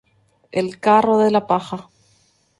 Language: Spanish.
El "carro" de la paja.